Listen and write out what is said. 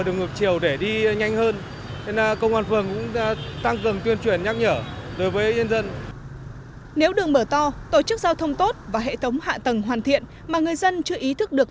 nếu đường mở to tổ chức giao thông tốt và hệ thống hạ tầng hoàn thiện mà người dân chưa ý thức được